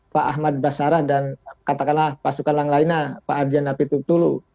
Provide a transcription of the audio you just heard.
pak ahmad basarah dan katakanlah pasukan yang lainnya pak arjana pituktulu